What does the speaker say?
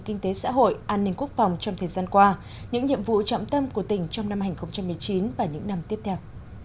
kinh tế xã hội an ninh quốc phòng trong thời gian qua những nhiệm vụ trọng tâm của tỉnh trong năm hai nghìn một mươi chín và những năm tiếp theo